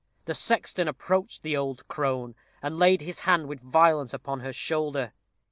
The sexton approached the old crone, and laid his hand with violence upon her shoulder.